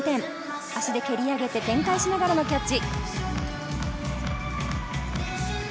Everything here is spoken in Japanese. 足で蹴り上げて転回しながらキャッチ。